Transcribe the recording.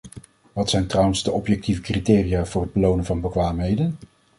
Wat zijn trouwens de objectieve criteria voor het belonen van bekwaamheden?